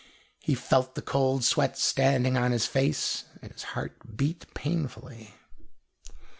He felt the cold sweat standing on his face, and his heart beat painfully.